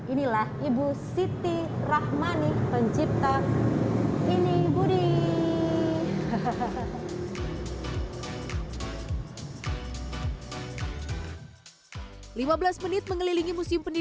inilah ibu siti rahmani pencipta ini budi hahaha